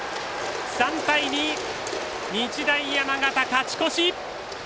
３対２、日大山形勝ち越し！